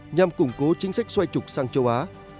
nhằm củng cố chính sách xoay trục sang châu á